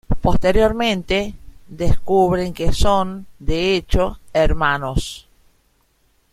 Posteriormente, descubren que son, de hecho, hermanos.